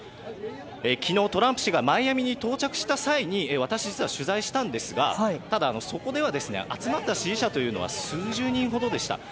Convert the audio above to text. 昨日、トランプ氏がマイアミに到着した際に私、実は取材したんですがただ、そこでは集まった支持者は数十人ほどでした。